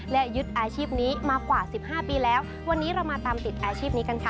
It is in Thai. และยึดอาชีพนี้มากว่าสิบห้าปีแล้ววันนี้เรามาตามติดอาชีพนี้กันค่ะ